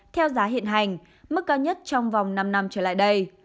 theo giá hiện hành mức cao nhất trong vòng năm năm trở lại đây